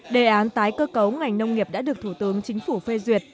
đề án tái cơ cấu ngành nông nghiệp đã được thủ tướng chính phủ phê duyệt